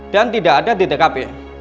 dan tidak ada di tkp